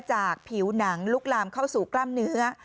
ผิวหนังลุกลามเข้าสู่กล้ามเนื้อ